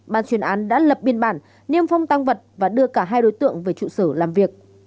ban chuyên án đã lập biên bản niêm phong tăng vật và đưa cả hai đối tượng về trụ sở làm việc